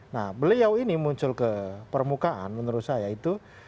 nah beliau ini muncul ke permukaan menurut saya itu